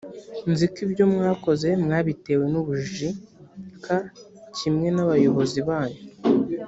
nzi ko ibyo mwakoze mwabitewe n ubujiji k kimwe n abayobozi banyu